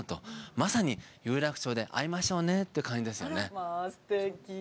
まさに有楽町で逢いましょうねって感じですよね。